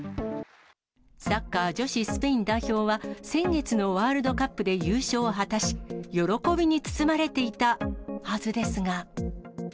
サッカー女子スペイン代表は先月のワールドカップで優勝を果たし、喜びに包まれていたはずですが。